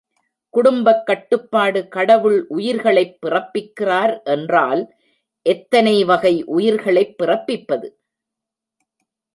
குடும்பக் கட்டுப்பாடு கடவுள் உயிர்களைப் பிறப்பிக்கிறார் என்றால், எத்தனை வகை உயிர்களைப் பிறப்பிப்பது?